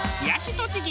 栃木